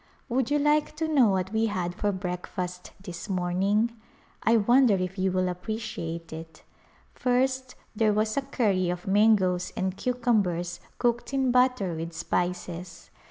Would you like to know what we had for breakfast this morning ? I wonder if you will appreciate it. First there was a curry of mangoes and cucumbers cooked in butter with spices.